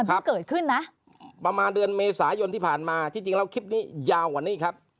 ที่เกิดขึ้นนะประมาณเดือนเมษายนที่ผ่านมาที่จริงแล้วคลิปนี้ยาวกว่านี้ครับ